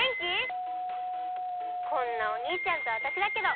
こんなおにいちゃんとわたしだけど。